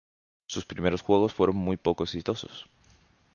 Sus primeros juegos fueron muy poco exitosos.